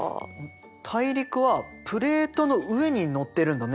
大陸はプレートの上にのってるんだね。